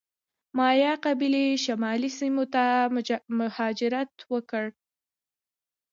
مایا قبیلې شمالي سیمو ته مهاجرت وکړ.